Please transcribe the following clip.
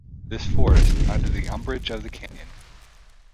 This forest, under the umbrage of the canyon.